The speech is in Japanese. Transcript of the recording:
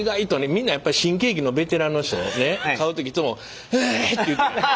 みんなやっぱり新喜劇のベテランの人買う時いつもふぁ！って言って。